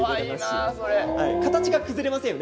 形が崩れませんよね。